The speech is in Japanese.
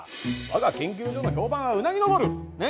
わが研究所の評判はうなぎ上るね？